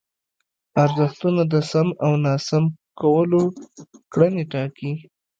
ارزښتونه د سم او ناسم کولو کړنې ټاکي.